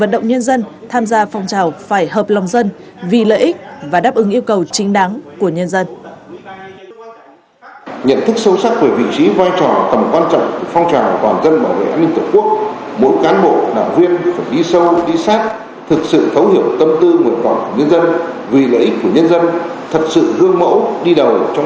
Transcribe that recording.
dân tham gia phong trào phải hợp lòng dân vì lợi ích và đáp ứng yêu cầu chính đáng của nhân dân